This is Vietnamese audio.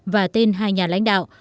và tên hai nhà lãnh đạo